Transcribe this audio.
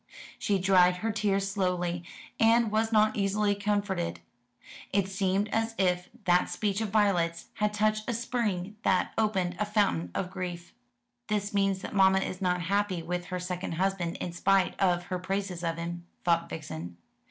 She dried her tears slowly, and was not easily comforted. It seemed as if that speech of Violet's had touched a spring that opened a fountain of grief. "This means that mamma is not happy with her second husband, in spite of her praises of him," thought Vixen.